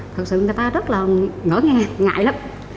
thật sự người ta rất là ngỡ ngại lắm